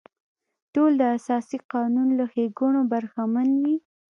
ټول د اساسي قانون له ښېګڼو برخمن وي.